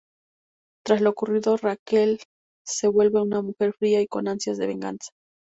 Tras lo ocurrido, Raquel se vuelve una mujer fría y con ansias de venganza.